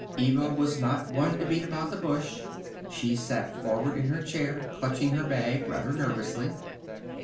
Eva was not one to beat about the bush. She sat forward in her chair, clutching her bag rather nervously.